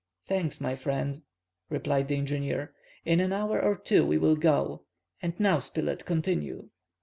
"Thanks, my friend," replied the engineer, "in an hour or two we will go. And now, Spilett, continue."